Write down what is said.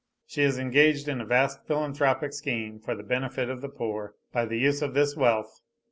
She is engaged in a vast philanthropic scheme for the benefit of the poor, by the use of this wealth.